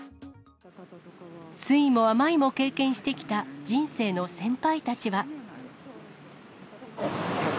酸いも甘いも経験してきた人生の先輩たちは。